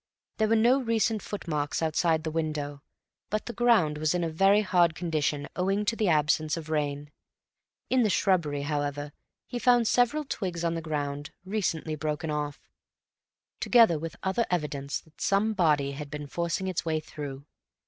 There were no recent footmarks outside the window, but the ground was in a very hard condition owing to the absence of rain. In the shrubbery, however, he found several twigs on the ground, recently broken off, together with other evidence that some body had been forcing its way through.